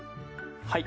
はい。